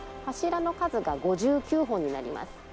柱の数が５９本になります。